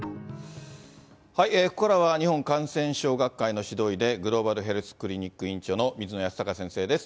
ここからは、日本感染症学会の指導医で、グローバルヘルスケアクリニックの院長の水野泰孝先生です。